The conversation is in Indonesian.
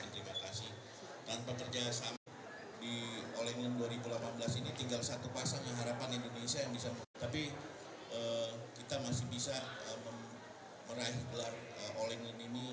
jangan lupa like share dan subscribe ya